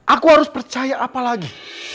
aku harus percaya apa lagi